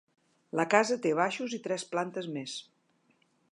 La casa té baixos i tres plantes més.